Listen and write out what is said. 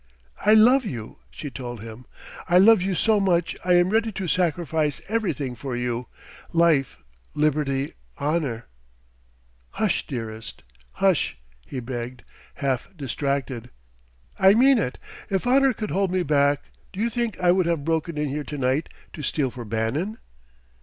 "I love you," she told him "I love you so much I am ready to sacrifice everything for you life, liberty, honour " "Hush, dearest, hush!" he begged, half distracted. "I mean it: if honour could hold me back, do you think I would have broken in here tonight to steal for Bannon?"